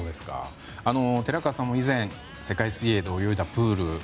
寺川さんも以前世界水泳で泳いだプール。